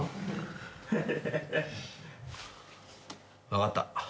分かった。